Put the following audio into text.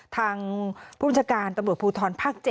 ทางผู้บัญชาการตำรวจภูทรภาค๗